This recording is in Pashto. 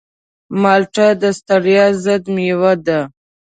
مالټه د ستړیا ضد مېوه ده.